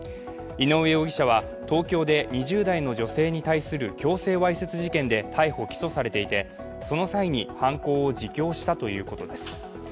井上容疑者は東京で２０代の女性に対する強制わいせつ事件で逮捕・起訴されていて、その際に犯行を自供したということです。